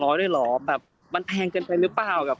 ๒๐๐บาทด้วยเหรอแบบมันแพงเกินไปหรือเปล่า